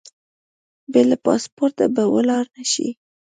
بې له پاسپورټه به ولاړ نه شې.